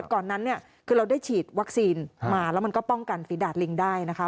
ก่อนนั้นเนี่ยคือเราได้ฉีดวัคซีนมาแล้วมันก็ป้องกันฝีดาดลิงได้นะคะ